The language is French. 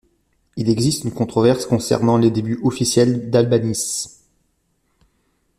Il existe une controverse concernant les débuts officiels d'Albanese.